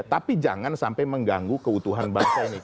tapi jangan sampai mengganggu keutuhan bangsa ini